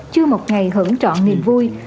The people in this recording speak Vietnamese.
chưa một ngày hưởng trọn niềm vui